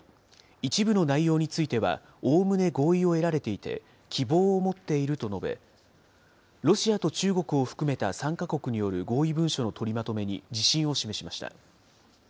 一部の内容についてはおおむね合意を得られていて、希望を持っていると述べ、ロシアと中国を含めた参加国による合意文書の取りまとめに自信を示しました。